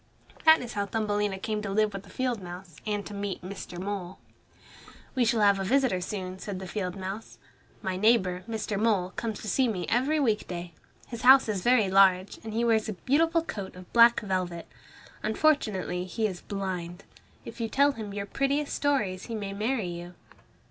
That is how Thumbelina came to live with the field mouse and to meet Mr. Mole. "We shall have a visitor soon," said the field mouse. "My neighbor, Mr. Mole, comes to see me every week day. His house is very large, and he wears a beautiful coat of black velvet. Unfortunately, he is blind. If you tell him your prettiest stories he may marry you."